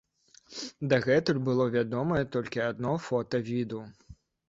Дагэтуль было вядомае толькі адно фота віду.